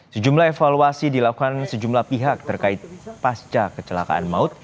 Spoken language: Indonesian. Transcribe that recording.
sejumlah evaluasi dilakukan sejumlah pihak terkait pasca kecelakaan maut